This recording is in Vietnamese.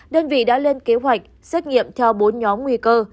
đơn vị đã lên kế hoạch xét nghiệm theo bốn nhóm nguy cơ